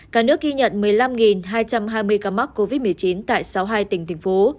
cả nước ghi nhận một mươi năm hai trăm hai mươi ca mắc covid một mươi chín tại sáu mươi hai tỉnh thành phố